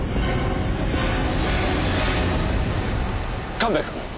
神戸君。